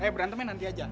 berantemnya nanti aja